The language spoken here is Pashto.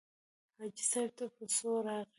حاجي صاحب ته په څو راغلې.